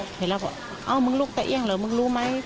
เห็นแล้วก็เอ้ามึงลุกตะเอี่ยงเหรอมึงรู้ไหม